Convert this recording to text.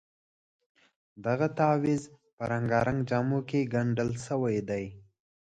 دغه تعویض په رنګارنګ جامو کې ګنډل شوی دی.